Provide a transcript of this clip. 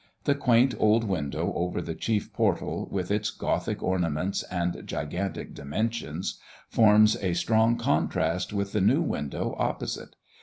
The quaint old window over the chief portal, with its Gothic ornaments and gigantic dimensions, forms a strong contrast with the new window opposite.